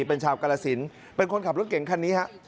เป็นชาวกรสินเป็นคนขับรถเก่งคันนี้ฮะ